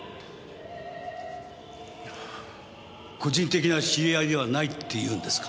個人的な知り合いではないっていうんですか？